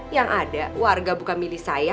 yang ada warga bukan milih saya